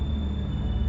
aku bisa sembuh